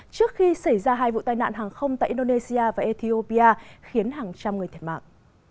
trước khi xảy ra hai vụ tai nạn hàng không tại indonesia và ethiopia khiến hàng trăm người thiệt mạng